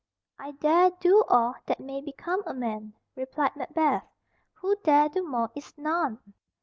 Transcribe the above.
"I dare do all that may become a man," replied Macbeth; "who dare do more is none."